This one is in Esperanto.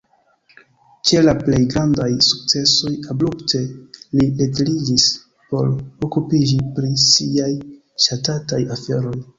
Ĉe la plej grandaj sukcesoj, abrupte, li retiriĝis por okupiĝi pri siaj ŝatataj aferoj.